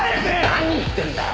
何言ってんだよ！